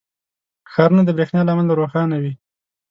• ښارونه د برېښنا له امله روښانه وي.